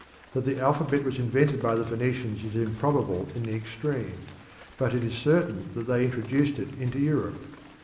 That the alphabet was invented by the Phoenicians is improbable in the extreme, but it is certain that they introduced it into Europe.